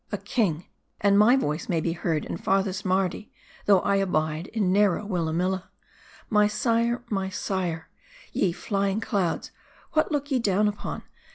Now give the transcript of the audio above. A king, and my voice may be heard in farthest Mardi, though I abide in narrow Willamilla. My sire ! my sire ! Ye fly ing clouds, what look ye down upon